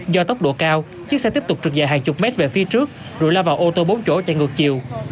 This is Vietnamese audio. do tốc độ cao chiếc xe tiếp tục trực dài hàng chục mét về phía trước rồi lao vào ô tô bốn chỗ chạy ngược chiều